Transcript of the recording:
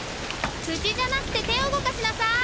くちじゃなくててをうごかしなさい！